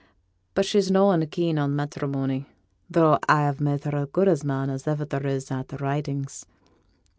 But she's noan keen on matterimony; though a have made her as good a man as there is in a' t' Ridings.